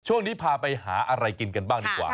ช่วงนี้พาไปหาอะไรกินกันบ้างดีกว่า